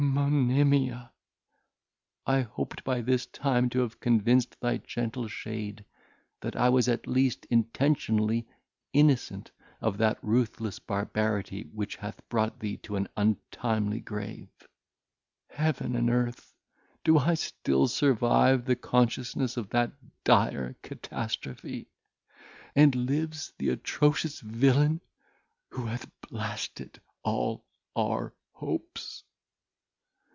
Monimia! I hoped by this time to have convinced thy gentle shade, that I was, at least intentionally, innocent of that ruthless barbarity which hath brought thee to an untimely grave. Heaven and earth! do I still survive the consciousness of that dire catastrophe! and lives the atrocious villain who hath blasted all our hopes!"